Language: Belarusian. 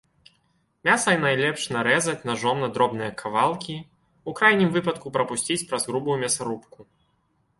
Мяса найлепш нарэзаць нажом на дробныя кавалкі, у крайнім выпадку прапусціць праз грубую мясарубку.